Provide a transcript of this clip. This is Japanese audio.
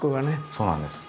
そうなんです。